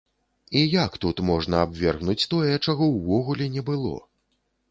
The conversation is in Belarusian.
І як тут можна абвергнуць тое, чаго ўвогуле не было?